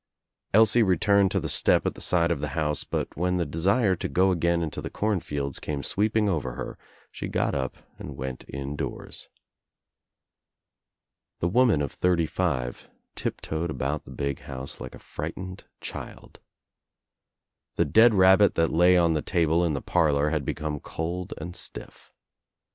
Elsie returned to the step at the side of the house but when the desire to go again into the cornfields came sweeping over her she got up and went indoors. The woman of thirty five tip toed about the big house like a frightened child. The dead rabbit that lay on the table in the parlour had become cold and stiff.